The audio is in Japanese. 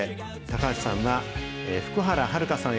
高橋さんは、福原遥さん